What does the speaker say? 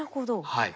はい。